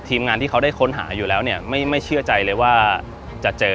งานที่เขาได้ค้นหาอยู่แล้วเนี่ยไม่เชื่อใจเลยว่าจะเจอ